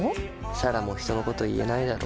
彩良も人のこと言えないだろ。